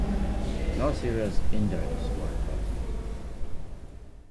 No serious injuries were reported.